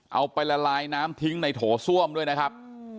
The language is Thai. เอาไปละลายน้ำทิ้งในโถส้วมด้วยนะครับ